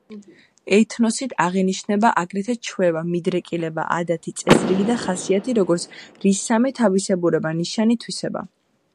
ეთნოსით აღინიშნება აგრეთვე ჩვევა, მიდრეკილება, ადათი, წესრიგი და ხასიათი, როგორც რისამე თავისებურება, ნიშანი, თვისება.